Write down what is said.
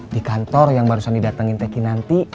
di kantor yang barusan didatengin teh kinanti